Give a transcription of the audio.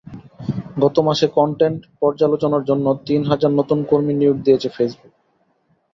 গত মাসে কনটেন্ট পর্যালোচনার জন্য তিন হাজার নতুন কর্মী নিয়োগ দিয়েছে ফেসবুক।